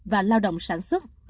và lãng phí của các bệnh nhân